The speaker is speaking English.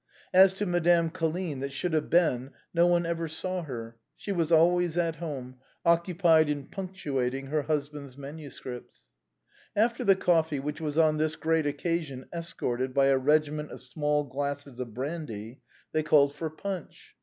As to Madame Colline that should have been, no one ever saw her ; she was always at home, occupied in punctuating her husband's manuscripts. After the coffee, which was on this great occasion escorted by a regiment of small glasses of brandy, they called for punch.